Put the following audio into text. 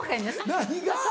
何が？